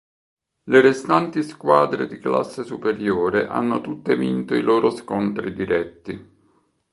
Le restanti squadre di classe superiore hanno tutte vinto i loro scontri diretti.